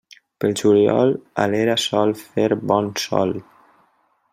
Pel juliol, a l'era sol fer bon sol.